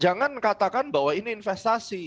jangan katakan bahwa ini investasi